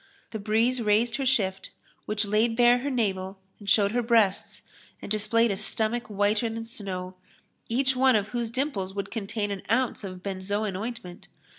The breeze raised her shift which laid bare her navel and showed her breasts and displayed a stomach whiter than snow, each one of whose dimples would contain an ounce of benzoin ointment.